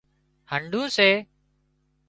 هنڍُون سي